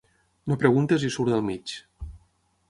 No preguntis i surt del mig.